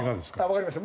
わかりました。